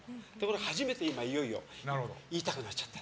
初めていよいよ言いたくなっちゃった。